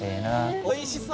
おいしそう！